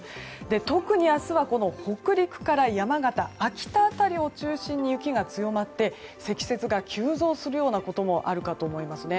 特に明日は、北陸から山形秋田辺りを中心に雪が強まって積雪が急増するようなこともあるかと思いますね。